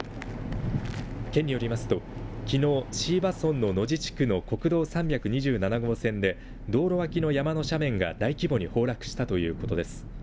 県によりますときのう椎葉村の野地地区の国道３２７号線で道路脇の山の斜面が大規模に崩落したということです。